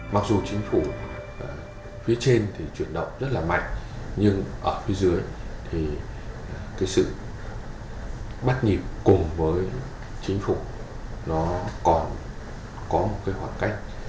mặc dù chính phủ phía trên thì chuyển động rất là mạnh nhưng ở phía dưới thì cái sự bắt nhịp cùng với chính phủ nó còn có một cái hoàn cách